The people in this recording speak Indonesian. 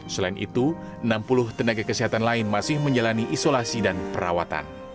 selain itu enam puluh tenaga kesehatan lain masih menjalani isolasi dan perawatan